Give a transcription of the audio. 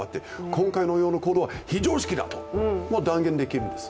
今回のような行動は非常識だと断言できるんです。